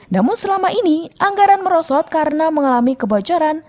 namun selama ini anggaran merosot karena mengalami kebocoran